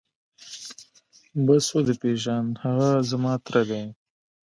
بس ودې پېژاند هغه زما تره دى.